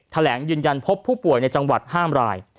แถลงยืนยันพบผู้ป่วยในจังหวัด๕ราย